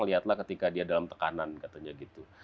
lihatlah ketika dia dalam tekanan katanya gitu